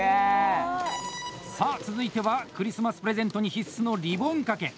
さあ続いてはクリスマスプレゼントに必須のリボン掛け！